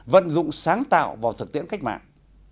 vận dụng sáng tạo vào thực tiễn cách mạng